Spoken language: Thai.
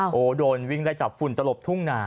โอ้โหโดนวิ่งไล่จับฝุ่นตลบทุ่งนา